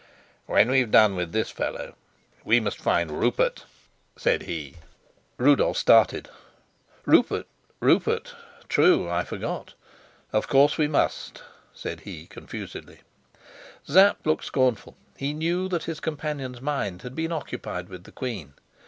"When we've done with this fellow, we must find Rupert," said he. Rudolf started. "Rupert? Rupert? True; I forgot. Of course we must," said he confusedly. Sapt looked scornful; he knew that his companion's mind had been occupied with the queen.